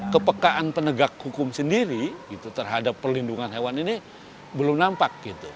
kepekaan penegak hukum sendiri terhadap perlindungan hewan ini belum nampak gitu